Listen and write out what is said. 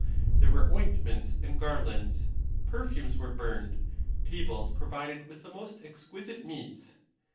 There were ointments and garlands; perfumes were burned; tables pro vided with the most exquisite meats.